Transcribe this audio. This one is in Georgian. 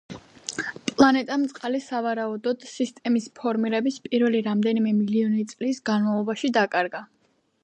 პლანეტამ წყალი სავარაუდოდ სისტემის ფორმირების პირველი რამდენიმე მილონი წლის განმავლობაში დაკარგა.